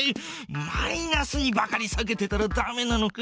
マイナスにばかりさけてたらダメなのか。